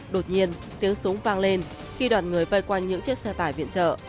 đột nhiên tiếng súng vang lên khi đoàn người vay quanh những chiếc xe tải viện trợ